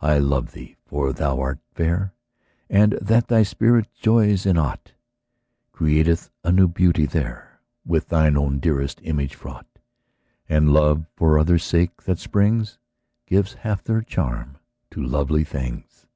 I love thee for that thou art fair; And that thy spirit joys in aught Createth a new beauty there, With throe own dearest image fraught; And love, for others' sake that springs, Gives half their charm to lovely things.